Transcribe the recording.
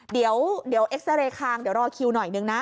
เดี๋ยวเอ็กซาเรย์คางเดี๋ยวรอคิวหน่อยนึงนะ